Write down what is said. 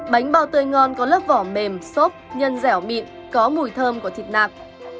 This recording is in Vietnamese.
bánh bao tươi ngon có lớp vỏ mềm xốp nhân dẻo mịn có mùi thơm của thịt nạc